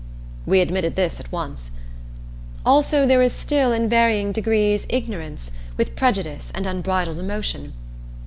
We admitted this at once. "Also there is still, in varying degree, ignorance, with prejudice and unbridled emotion."